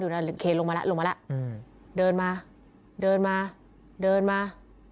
เดี๋ยวนะเคลงมาละลงมาละเดินมาเดินมาเดินมา